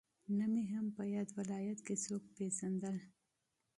نه مې هم په ياد ولايت کې څوک پېژندل.